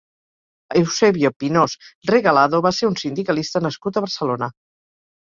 Eusebio Pinós Regalado va ser un sindicalista nascut a Barcelona.